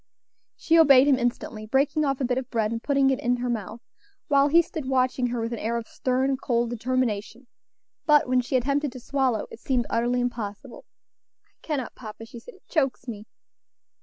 She obeyed him instantly, breaking off a bit of bread and putting it in her mouth, while he stood watching her with an air of stern, cold determination; but when she attempted to swallow, it seemed utterly impossible. "I cannot, papa," she said, "it chokes me."